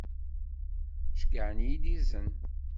Ceyyeɛ-iyi-d izen.